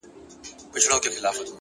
o هغه سړی کلونه پس دی، راوتلی ښار ته،